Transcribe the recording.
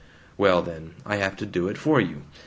"Well then, I have to do it for you.